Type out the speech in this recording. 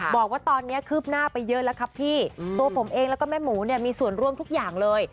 บอกว่าตอนนี้คืบหน้าไปเยอะแล้วครับพี่ตัวผมเองแล้วก็แม่หมูเนี่ยมีส่วนร่วมทุกอย่างเลย